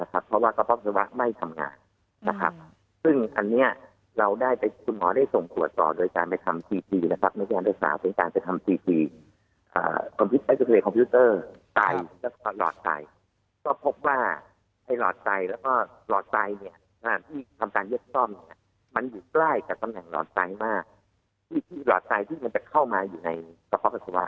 ทำให้ตรงรูเปิดของกระเพาะปัชชาวะ